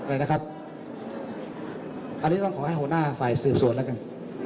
อ่ะนะครับอาคารใครจบคนหน้าไฟเสี่ยงส่วนละกัน